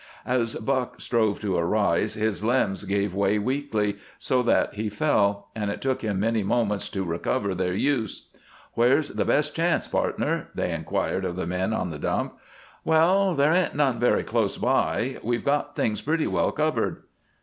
As Buck strove to arise, his limbs gave way weakly, so that he fell, and it took him many moments to recover their use. "Where's the best chance, pardner?" they inquired of the men on the dump. "Well, there ain't none very close by. We've got things pretty well covered."